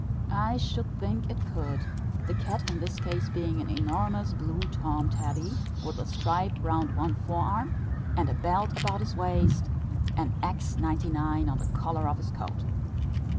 I should think it could; the cat in this case being an enormous blue Tom tabby, with a stripe round one forearm, and a belt about his waist, and X 99 on the collar of his coat.